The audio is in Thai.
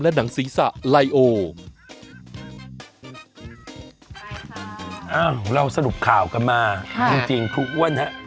อ้าวเราสรุปข่าวกันมาจริงคุณว่านะฮะ